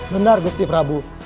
benar gusti prabu